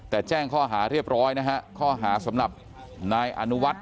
แต่แจ้งข้อหาเรียบร้อยนะฮะข้อหาสำหรับนายอนุวัฒน์